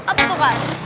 apa tuh kak